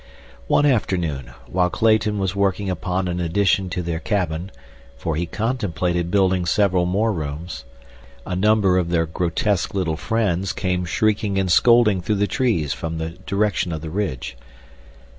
One afternoon, while Clayton was working upon an addition to their cabin, for he contemplated building several more rooms, a number of their grotesque little friends came shrieking and scolding through the trees from the direction of the ridge.